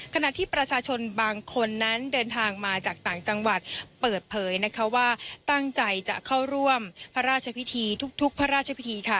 ขณะที่ประชาชนบางคนนั้นเดินทางมาจากต่างจังหวัดเปิดเผยนะคะว่าตั้งใจจะเข้าร่วมพระราชพิธีทุกพระราชพิธีค่ะ